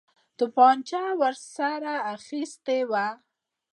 توپنچه ورسره اخیستې وه.